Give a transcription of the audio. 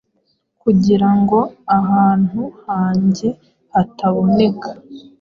kugira ngo ahantu hanjye hataboneka,